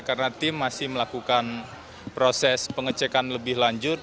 karena tim masih melakukan proses pengecekan lebih lanjut